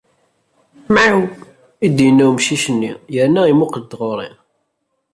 "Mεiw", i d-yenna umcic-nni yerna imuqel-d ɣur-i.